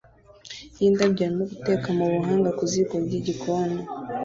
yindabyo arimo guteka mubuhanga ku ziko ryigikoni